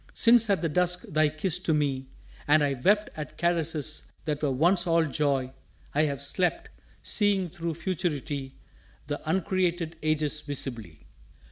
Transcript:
Since at the dusk thy kiss to me, and I Wept at caresses that were once all joy, I have slept, seeing through Futurity The uncreated ages visibly!